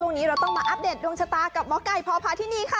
ตรงนี้เราต้องมาอัปเดตดวงชะตากับมไก่พอพาที่นี่ค่ะ